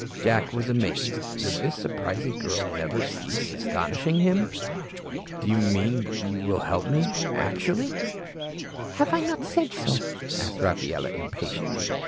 Jack was amazed. Would this surprising girl never cease astonishing him? "Do you mean you will help me actually?" "Have I not said so?" asked Rafaela impatiently.